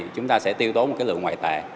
chúng ta sẽ tiêu tố một cái lượng ngoại tệ